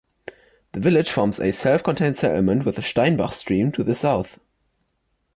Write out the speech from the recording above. The village forms a self-contained settlement with the Steinbach stream to the south.